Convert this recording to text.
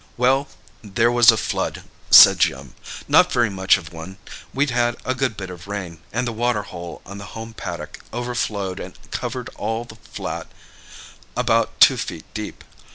"Well, there was a flood," said Jim. "Not very much of a one. We'd had a good bit of rain, and the water hole in the home paddock overflowed and covered all the flat about two feet deep.